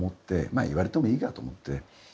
まあ、言われてもいいかと思って。